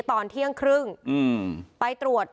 ตอนเที่ยงครึ่งไปตรวจ